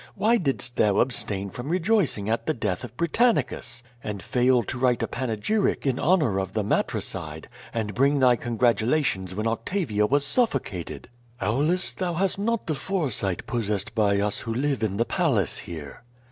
Why didst thou abstain from rejoicing at the death of Britannicus, and fail to write a iianegyric in honor 42 Q^O VADI8. of tlie matricide, and bring thy congratulations when Octavia was suffocated? Aulus, thou hast not the foresight possessed by us who live in the palace here."